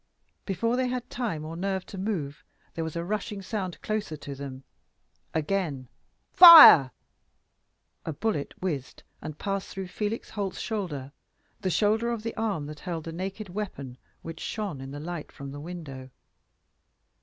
Before they had time or nerve to move, there was a rushing sound closer to them again "Fire!" a bullet whizzed, and passed through Felix Holt's shoulder the shoulder of the arm that held the naked weapon which shone in the light from the window.